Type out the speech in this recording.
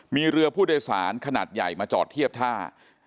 มีเรือผู้โดยสารขนาดใหญ่มาจอดเทียบท่า